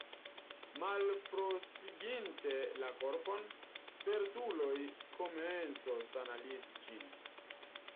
Malfrostiginte la korpon, spertuloj komencos analizi ĝin.